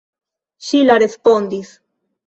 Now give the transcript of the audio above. Ŝila respondis.